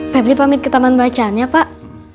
febri pamit ke taman bacaannya pak